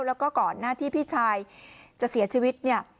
แล้วก็ก่อนหน้าที่พี่ชายจะเสียชีวิตเนี่ย